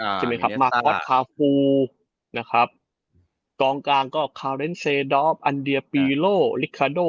อ่าใช่มั้ยครับนะครับกองกลางก็อันเดียปีโลลิคาโด